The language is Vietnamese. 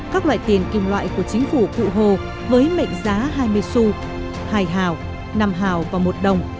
các loại tiền kim loại của chính phủ phụ hồ với mệnh giá hai mươi su hai hào năm hào và một đồng